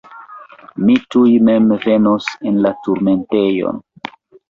Mi tuj mem venos en la turmentejon.